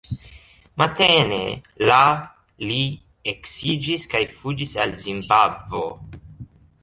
Matene la li eksiĝis kaj fuĝis al Zimbabvo.